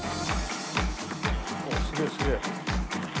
おおすげえすげえ。